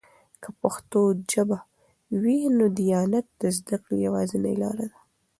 که پښتو ژبه وي، نو دیانت د زده کړې یوازینۍ لاره ده.